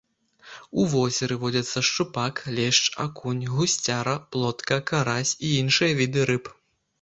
У возеры водзяцца шчупак, лешч, акунь, гусцяра, плотка, карась і іншыя віды рыб.